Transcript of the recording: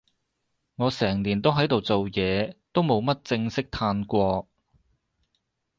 我成年都喺度做嘢，都冇乜正式嘆過